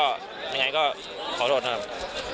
ยังไงก็ขอโทษนะครับ